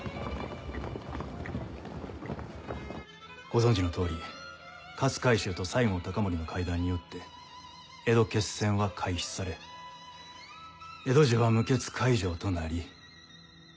ご存じの通り勝海舟と西郷隆盛の会談によって江戸決戦は回避され江戸城は無血開城となり。